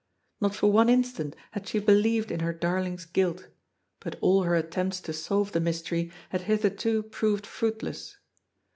Not for one instant had she believed in her dar ling^s guilt, but all her attempts to solve the mystery had hitherto proved fruitless.